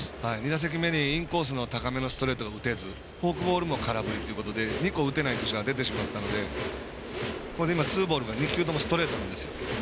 ２打席目にインコースの高めのストレートが打てずフォーク空振りということで２個、打てない箇所が出てしまったのでツーボールが２球ともストレートなんですよ。